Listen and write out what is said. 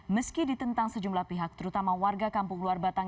meski ditentang sejumlah pihak terutama warga kampung luar batang